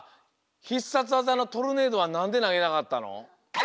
ひっさつわざのトルネードはなんでなげなかったの？